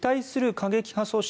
過激派組織